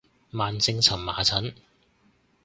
慢性蕁麻疹